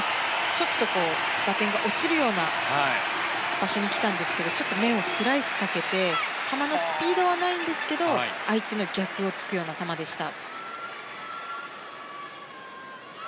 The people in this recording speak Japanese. ちょっと打点が落ちるような場所に来たんですけどちょっと面をスライスかけて球のスピードはないんですけど相手の逆を突くような球でした。